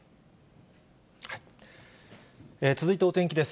続いて、お天気です。